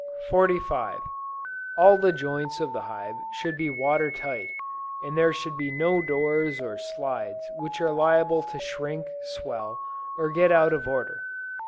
45. All the joints of the hive should be water tight, and there should be no doors or slides which are liable to shrink, swell, or get out of order.